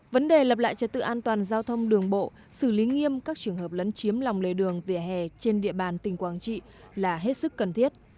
vấn đề lập lại trật tự an toàn giao thông đường bộ xử lý nghiêm các trường hợp lấn chiếm lòng lề đường vỉa hè trên địa bàn tỉnh quảng trị là hết sức cần thiết